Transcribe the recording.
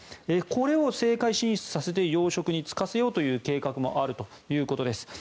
これを政界進出させて要職に就かせようという計画もあるということです。